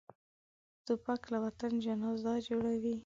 توپک له وطن جنازه جوړوي.